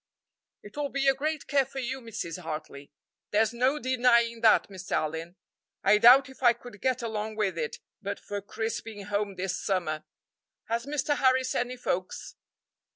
"It will be a great care for you, Mrs. Hartley." "There's no denying that, Mr. Allyn; I doubt if I could get along with it but for Chris being home this summer. Has Mr. Harris any folks?"